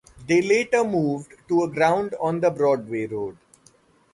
They later moved to a ground on the Broadway road.